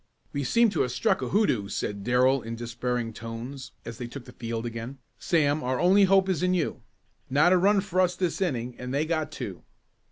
"We seem to have struck a hoodoo," said Darrell in despairing tones as they took the field again. "Sam, our only hope is in you. Not a run for us this inning and they got two."